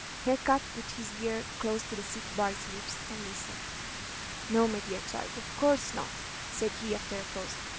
Harcourt put his ear close to the sick boy's lips, and listened. "No, my dear child, of course not," said he, after a pause.